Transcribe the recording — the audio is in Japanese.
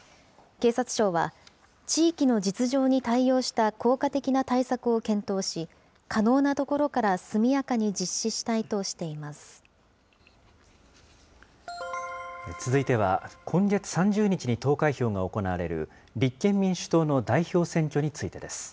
警察庁は地域の実情に対応した効果的な対策を検討し、可能なところから速やかに実施したいとして続いては、今月３０日に投開票が行われる立憲民主党の代表選挙についてです。